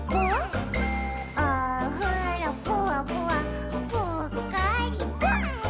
「おふろぷわぷわぷっかりぽっ」